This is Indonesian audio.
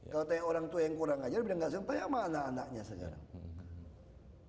kalau tanya orang tua yang kurang ajar udah gak langsung tanya sama anak anaknya sekarang